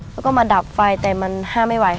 แล้วก็มาดับไฟแต่มันห้ามไม่ไหว